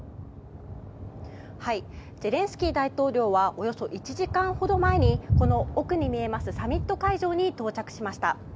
ゼレンスキー大統領はおよそ１時間ほど前にこの奥に見えますサミット会場に到着しました。